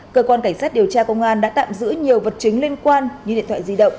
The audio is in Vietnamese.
cơ quan cảnh sát điều tra công an đã tạm giữ nhiều vật chứng liên quan như điện thoại di động